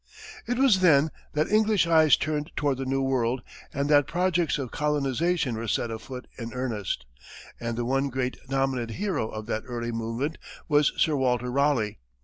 It was then that English eyes turned toward the New World and that projects of colonization were set afoot in earnest; and the one great dominant hero of that early movement was Sir Walter Raleigh.